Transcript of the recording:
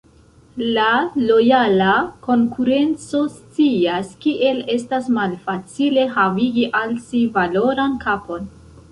La Lojala Konkurenco scias, kiel estas malfacile havigi al si valoran kapon.